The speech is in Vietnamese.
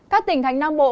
các tỉnh thành nam bộ